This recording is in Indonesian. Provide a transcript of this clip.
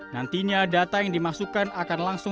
nantinya data yang dimasukkan akan langsung